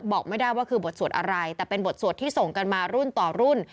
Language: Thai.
บอกไม่ได้ว่าคือบทสวดอะไรแต่เป็นบทสวดที่ส่งกันมารุ่นต่อรุ่น